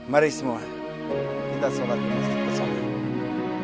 mari semua kita sholat di masjid bersama